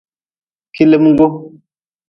Kilimgu.